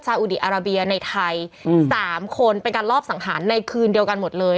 อุดีอาราเบียในไทย๓คนเป็นการรอบสังหารในคืนเดียวกันหมดเลย